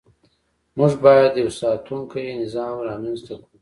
موږ باید یو ساتونکی نظام رامنځته کړو.